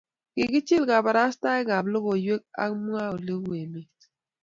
kichikil kabarastaik ab lokoiwek ok mwa ole u emet